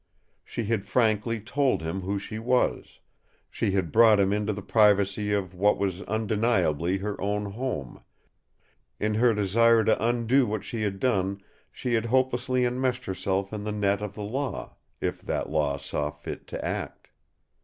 She had frankly told him who she was; she had brought him into the privacy of what was undeniably her own home; in her desire to undo what she had done she had hopelessly enmeshed herself in the net of the Law if that Law saw fit to act.